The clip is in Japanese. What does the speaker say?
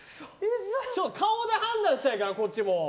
顔で判断したいからこっちも。